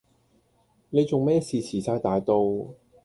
你仲咩事遲晒大到？